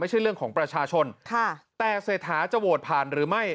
ไม่ใช่เรื่องของประชาชนค่ะแต่เศรษฐาจะโหวตผ่านหรือไม่